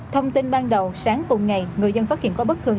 thông tin ban đầu sáng cùng ngày người dân phát hiện có bất thường